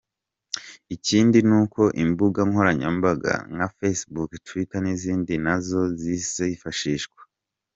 Ikindi nuko imbuga nkoranyambaga nka Facebook, Twitter n’izindi nazo zizifashishwa.